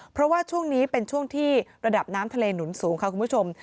เพราะว่าช่วงนี้เป็นช่วงที่ระดับน้ำทะเลหนุนสูงค่ะคุณผู้ชม